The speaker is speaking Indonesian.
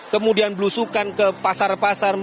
kemudian belusukan ke pasar pasar